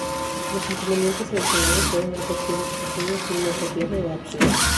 Los inconvenientes adicionales suelen hacer que dicho ingenio sea inapropiado o absurdo.